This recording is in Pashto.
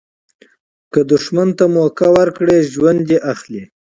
که دوښمن ته موکه ورکړي، ژوند دي اخلي.